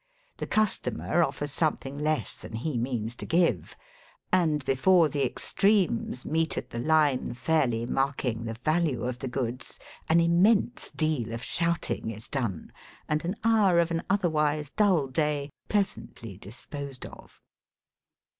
The customer offers something less than he means to give, and before the extremes meet at the line fairly marking the value of the goods, an immense deal of shouting is done, and an hour of an otherwise dull day pleasantly disposed of.